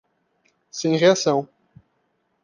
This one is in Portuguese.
Sem reação